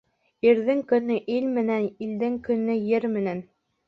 Ирҙең көнө ил менән, илдең көнө ер менән.